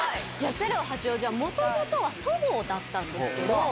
セレオ八王子は、もともとそごうだったんですけど。